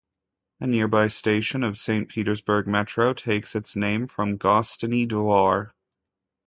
A nearby station of Saint Petersburg Metro takes its name from Gostiny Dvor.